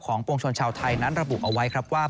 ของปวงชนชาวไทยนั้นระบุเอาไว้ว่า